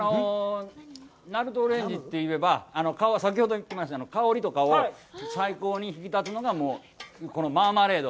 ナルトオレンジといえば、先ほど言ってました香りとかを最高に引き立てるのがこのマーマレード。